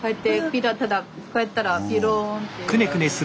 こうやったらピローンっていう。